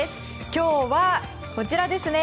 今日はこちらです。